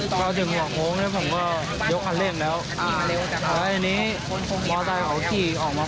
พอขี่มองมามี๖๐๐กว่า